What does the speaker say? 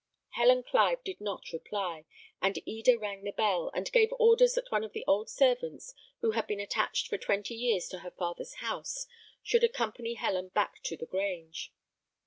Helen Clive did not reply, and Eda rang the bell, and gave orders that one of the old servants, who had been attached for twenty years to her father's house, should accompany Helen back to the Grange.